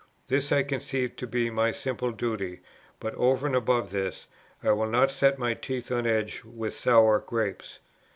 This I conceive to be my simple duty; but, over and above this, I will not set my teeth on edge with sour grapes.